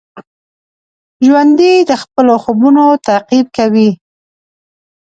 ژوندي د خپلو خوبونو تعقیب کوي